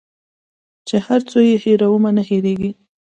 چي هر څو یې هېرومه نه هیریږي